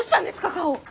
顔！